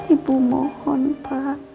ibu mohon pa